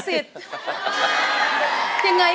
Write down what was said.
สวัสดีครับ